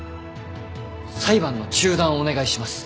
裁判の中断をお願いします。